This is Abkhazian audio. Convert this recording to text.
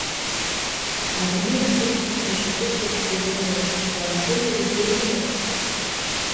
Адунеи аҵыхәан ушьапышьҭыбжьқәа гозар, уааскьозар издыруада?